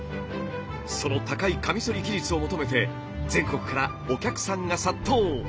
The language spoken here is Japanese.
その高いカミソリ技術を求めて全国からお客さんが殺到。